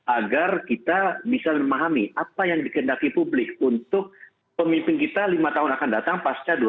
agar kita bisa memahami apa yang dikendaki publik untuk pemimpin kita lima tahun akan datang pasca dua ribu sembilan belas